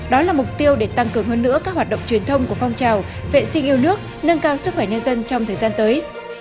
đó là mục tiêu để tăng cường hơn nữa các hoạt động truyền thông của phong trào vệ sinh yêu nước nâng cao sức khỏe nhân dân trong thời gian tới